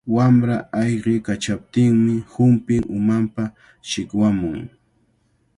Wamra ayqiykachaptinmi humpin umanpa shikwamun.